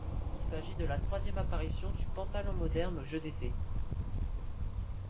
Il s'agit de la troisième apparition du pentathlon moderne aux Jeux d'été.